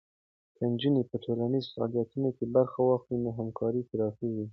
که نجونې په ټولنیزو فعالیتونو کې برخه واخلي، نو همکاري پراخېږي.